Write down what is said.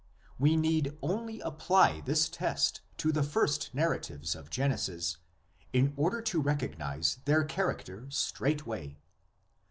We need only apply this test to the first narratives of Genesis in order to recognise their character straightway.